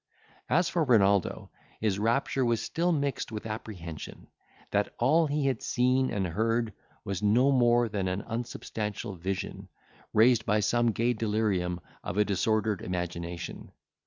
As for Renaldo, his rapture was still mixed with apprehension, that all he had seen and heard was no more than an unsubstantial vision, raised by some gay delirium of a disordered imagination.